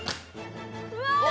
うわ！